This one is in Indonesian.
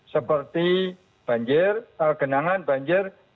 seperti banjir algenangan banjir